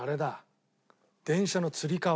電車の吊り革。